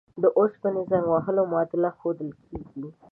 د اوسپنې زنګ وهلو معادله ښودل کیږي.